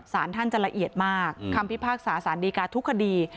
สารท่านจะละเอียดมากคำพิพากษาสารดีการทุกคดี